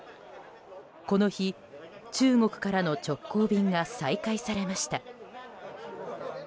この日、中国からの直行便が再開されました。